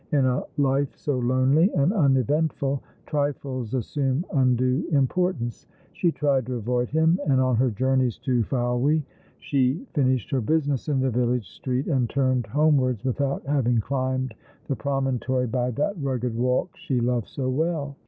In a life so lonely and uneventful trifles assume undue importance. She tried to avoid him, and on her journeys to Fowey she finished her business in the village street and turned home wards without having climbed the promontory by that rugged walk she loved so well.